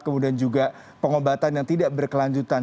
kemudian juga pengobatan yang tidak berkelanjutan